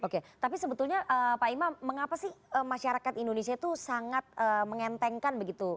oke tapi sebetulnya pak imam mengapa sih masyarakat indonesia itu sangat mengentengkan begitu